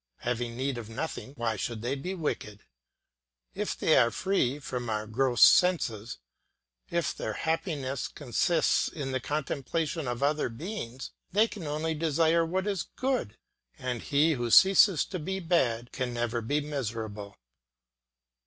Having need of nothing, why should they be wicked? If they are free from our gross senses, if their happiness consists in the contemplation of other beings, they can only desire what is good; and he who ceases to be bad can never be miserable.